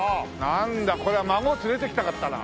なんだこれは孫連れてきたかったな。